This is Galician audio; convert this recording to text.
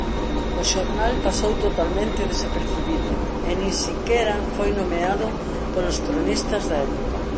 O xornal pasou totalmente desapercibido e nin sequera foi nomeado polos cronistas da época.